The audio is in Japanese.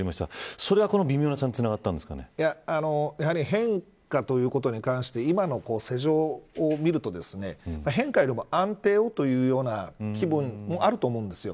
それが、この微妙な差にやはり変化ということに関して今の世情を見ると変化よりも安定をというような気分もあると思うんです。